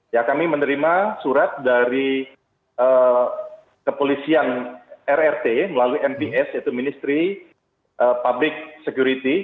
ya kami menerima surat dari kepolisian rrt melalui mps yaitu ministry public security